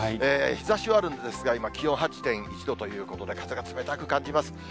日ざしはあるんですが、今、気温８．１度ということで、風が冷たく感じます。